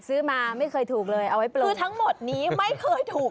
ซื้อมาไม่เคยถูกเลยเอาไว้โปรดคือทั้งหมดนี้ไม่เคยถูก